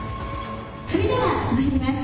それではまいります。